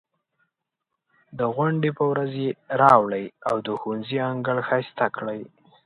د غونډې په ورځ یې راوړئ او د ښوونځي انګړ ښایسته کړئ.